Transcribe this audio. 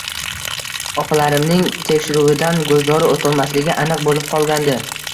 Opalarimning tekshiruvidan Gulzora o`tolmasligi aniq bo`lib qolgandi